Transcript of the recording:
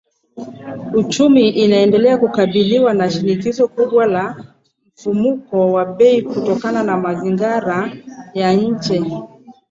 "Uchumi unaendelea kukabiliwa na shinikizo kubwa la mfumuko wa bei kutokana na mazingira ya nje